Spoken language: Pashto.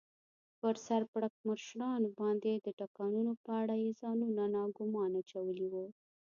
پر سر پړکمشرانو باندې د ټکانونو په اړه یې ځانونه ناګومانه اچولي و.